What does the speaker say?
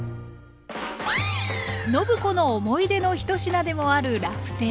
暢子の思い出の１品でもある「ラフテー」。